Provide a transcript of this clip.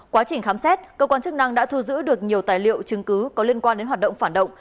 quá trình khám xét cơ quan chức năng đã thu giữ được nhiều tài liệu chứng cứ có liên quan đến hoạt động phản động